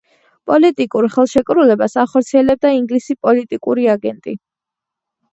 პოლიტიკურ ხელშეკრულებას ახორციელებდა ინგლისი პოლიტიკური აგენტი.